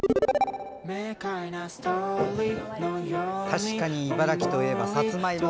確かに茨城といえばさつまいも。